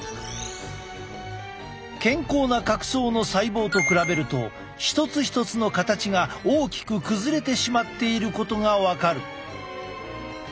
健康な角層の細胞と比べると一つ一つの形が大きく崩れてしまっていることが分かる。